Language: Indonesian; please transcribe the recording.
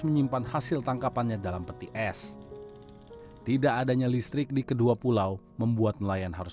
meski warga pemping dan labun telah terbiasa hidup tanpa listrik di siang hari